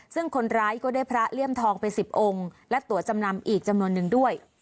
ซึ่งคนร้ายก็ได้พระเลี่ยมทองไป๑๐องค์และตัวจำนำอีกจำนวนนึงด้วย